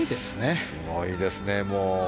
すごいですね。